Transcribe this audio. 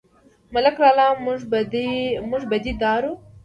_ملک لالا، موږ بدي دار يو؟